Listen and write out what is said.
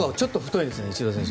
で、イチロー選手。